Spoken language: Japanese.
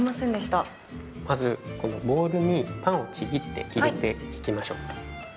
まずこのボウルにパンをちぎって入れていきましょう。